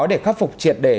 để khắc phục triệt đề